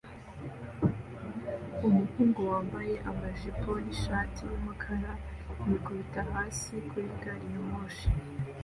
Umuhungu wambaye amajipo nishati yumukara yikubita hasi kuri gari ya moshi